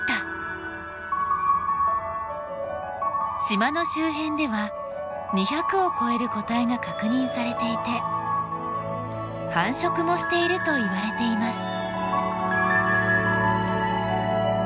島の周辺では２００を超える個体が確認されていて繁殖もしているといわれています。